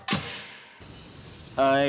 iya basic diri tatalu sendiri adalah bunyi drum